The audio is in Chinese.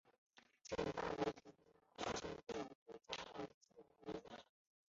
进入维巴庭园要经过加尔默罗街。